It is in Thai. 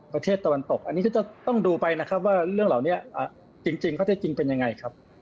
ตะวันตกอันนี้ก็จะต้องดูไปนะครับว่าเรื่องเหล่านี้จริงข้อเท็จจริงเป็นยังไงครับ